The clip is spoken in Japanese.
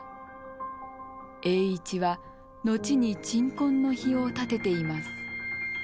栄一は後に鎮魂の碑を建てています。